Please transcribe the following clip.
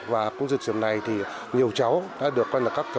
và cũng dịch vụ này thì nhiều cháu đã được quen là các cháu